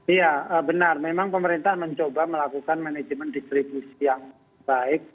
iya benar memang pemerintah mencoba melakukan manajemen distribusi yang baik